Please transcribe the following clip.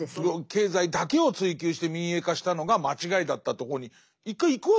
経済だけを追求して民営化したのが間違いだったとこに一回行くわけですよね。